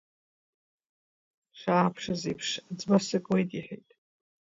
Дшааԥшыз еиԥш, Аӡба сакуеит, — иҳәеит.